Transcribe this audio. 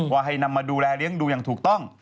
ให้นำมาดูแลเลี้ยงดูอย่างถูกต้อง